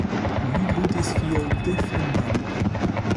Li ludis kiel defendanto.